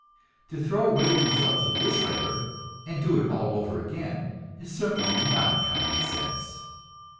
To throw away the results of this labor and do it all over again is certainly not common sense.